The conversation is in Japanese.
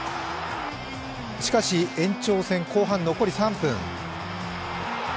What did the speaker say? しかし、延長戦後半戦残り３分。